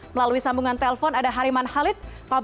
melalui sambungan telpon ada hariman halid